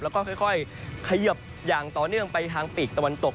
แล้วก็ค่อยเขยิบอย่างต่อเนื่องไปทางปีกตะวันตก